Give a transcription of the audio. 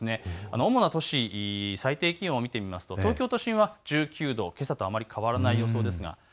主な都市、最低気温見てみますと東京都心は１９度けさとあまり変わらない予想です。